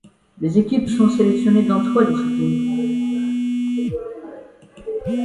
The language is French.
Les équipes sont sélectionnées dans trois disciplines.